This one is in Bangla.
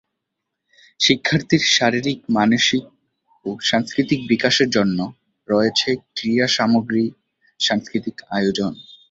শিক্ষার্থীর শারীরিক, মানসিক ও সাংস্কৃতিক বিকাশের জন্য রয়েছে ক্রীড়া সামগ্রী, সাংস্কৃতিক আয়োজন।